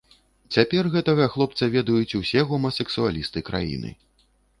Цяпер гэтага хлопца ведаюць усе гомасэксуалісты краіны.